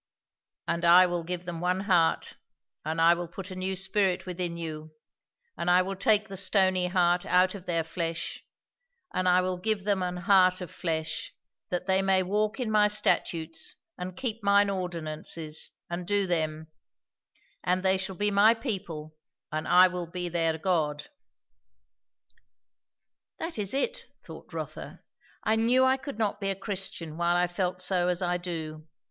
"And I will give them one heart, and I will put a new spirit within you; and I will take the stony heart out of their flesh, and I will give them an heart of flesh; that they may walk in my statutes, and keep mine ordinances, and do them; and they shall be my people, and I will be their God." That is it! thought Rotha. I knew I could not be a Christian while I felt so as I do.